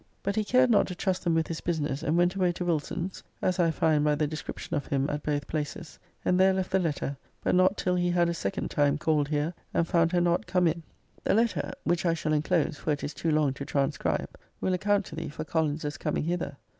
But he cared not to trust them with his business, and went away to Wilson's, (as I find by the description of him at both places,) and there left the letter; but not till he had a second time called here, and found her not come in. The letter [which I shall enclose; for it is too long to transcribe] will account to thee for Collins's coming hither.